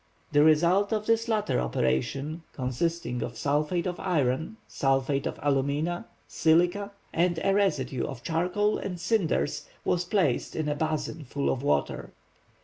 The result of this latter operation, consisting of sulphate of iron, sulphate of alumina, silica, and a residue of charcoal and cinders, was placed, in a basin full of water.